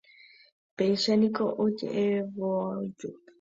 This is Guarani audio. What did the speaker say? Péicha niko oje'evavoíjepi.